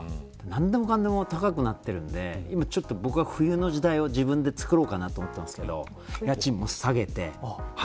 何でもかんでも高くなってるんで今ちょっと僕は冬の時代を自分で作ろうかなと思ってますけど家賃も下げて。